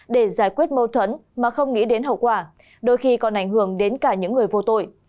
để giải quyết mâu thuẫn mà không nghĩ đến hậu quả đôi khi còn ảnh hưởng đến cả những người vô tội